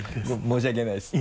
申し訳ないです。